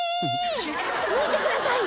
見てください。